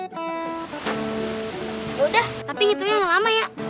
yaudah tapi ngitungnya nggak lama ya